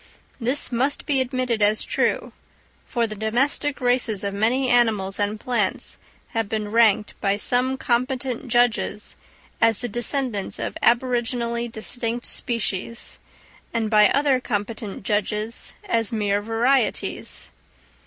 This must be admitted as true, for the domestic races of many animals and plants have been ranked by some competent judges as the descendants of aboriginally distinct species, and by other competent judges as mere varieties.